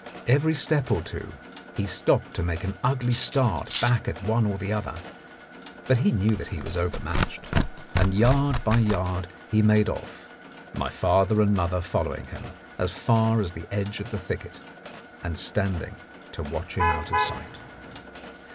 Every step or two he stopped to make an ugly start back at one or the other, but he knew that he was overmatched, and yard by yard he made off, my father and mother following him as far as the edge of the thicket, and standing to watch him out of sight.